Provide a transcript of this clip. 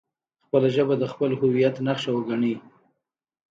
خپله ژبه د خپل هویت نښه وګڼئ.